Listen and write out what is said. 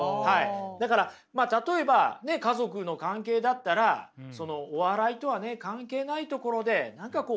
だから例えば家族の関係だったらそのお笑いとは関係ないところで何か親孝行するとかね。